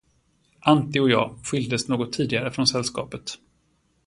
Antti och jag skildes något tidigare från sällskapet.